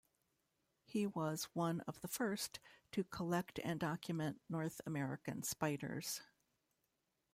He was one of the first to collect and document North American spiders.